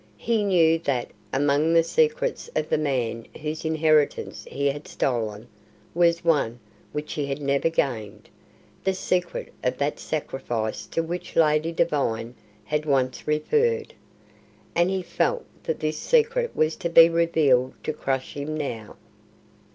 He knew that among the secrets of the man whose inheritance he had stolen was one which he had never gained the secret of that sacrifice to which Lady Devine had once referred and he felt that this secret was to be revealed to crush him now.